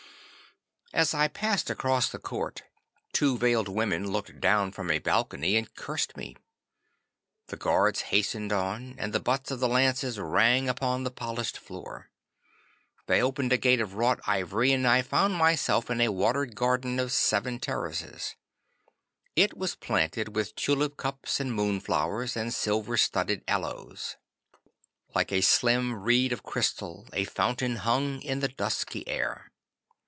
'As I passed across the court two veiled women looked down from a balcony and cursed me. The guards hastened on, and the butts of the lances rang upon the polished floor. They opened a gate of wrought ivory, and I found myself in a watered garden of seven terraces. It was planted with tulip cups and moonflowers, and silver studded aloes. Like a slim reed of crystal a fountain hung in the dusky air.